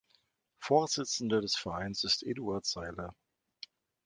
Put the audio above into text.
Vorsitzender des Vereins ist Eduard Sailer.